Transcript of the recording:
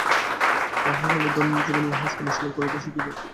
তাহা হইলেই দৈনন্দিন জীবনে ইহা অনুশীলন করিতে শিখিব।